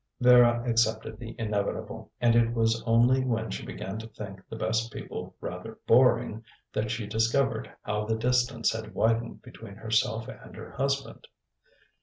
Vera accepted the inevitable, and it was only when she began to think the best people rather boring, that she discovered how the distance had widened between herself and her husband.